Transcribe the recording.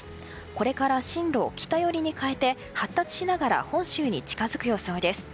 これから進路を北寄りに変えて発達しながら本州に近づく予想です。